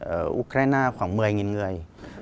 ở ukraine khoảng một mươi người